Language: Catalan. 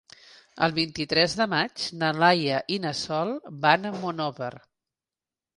El vint-i-tres de maig na Laia i na Sol van a Monòver.